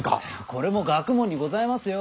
これも学問にございますよ。